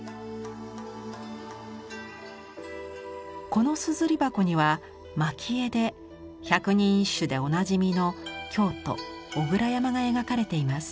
この硯箱には蒔絵で百人一首でおなじみの京都小倉山が描かれています。